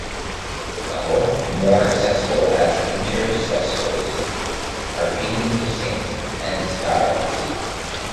At a lower level, more accessible as intercessors, are paintings of saints and stylites.